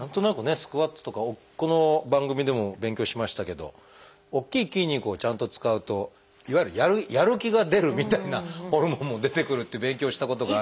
スクワットとかこの番組でも勉強しましたけど大きい筋肉をちゃんと使うといわゆるやる気が出るみたいなホルモンも出てくるって勉強したことがあるんで。